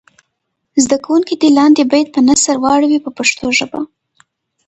زده کوونکي دې لاندې بیت په نثر واړوي په پښتو ژبه.